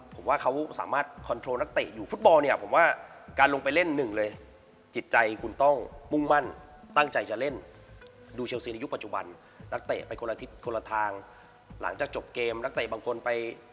ผมว่าเขาสามารถคอนโทรลนักเตะอยู่ฟุตบอลนี่